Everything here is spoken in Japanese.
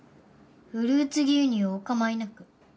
フルーツ牛乳お構いなく。